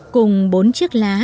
cùng bốn chiếc lá